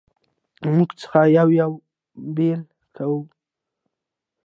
له موږ څخه یې یو یو بېل کاوه.